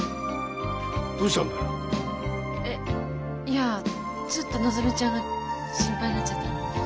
いやちょっとのぞみちゃんが心配になっちゃったの。